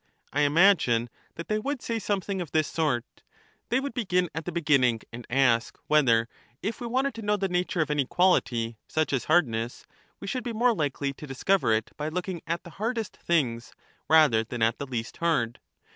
I imagine that they would say something of this sort ; they would begin at the beginning, and ask whether, if we wanted to know the The nature nature of any quality, such as hardness, we should be more bestseS*^ likely to discover it by looking at the hardest things, rather in their than at the least hard